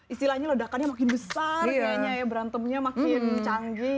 istilahnya ledakannya makin besar berantemnya makin canggih